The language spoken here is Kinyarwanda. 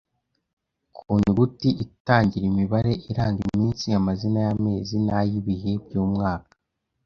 Ku nyuguti itangira imibare iranga iminsi amazina y’amezi n’ay’ibihe by’umwaka